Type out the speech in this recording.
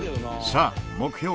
さあ目標